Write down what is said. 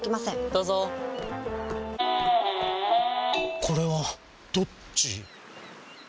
どうぞこれはどっち？